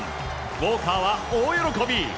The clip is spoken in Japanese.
ウォーカーは大喜び。